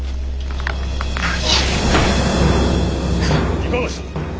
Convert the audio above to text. ・いかがした？